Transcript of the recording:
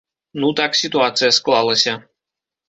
Ну так сітуацыя склалася.